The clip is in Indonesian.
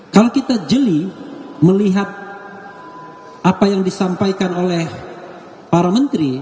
kalau kita jeli melihat apa yang disampaikan oleh para menteri